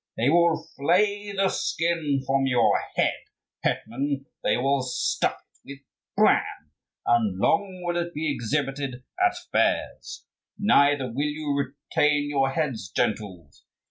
They will flay the skin from your head, hetman, they will stuff it with bran, and long will it be exhibited at fairs. Neither will you retain your heads, gentles.